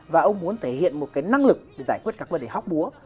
và ông muốn thể hiện một cái năng lực để giải quyết các vấn đề hóc búa